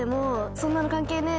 そんなの関係ねぇ！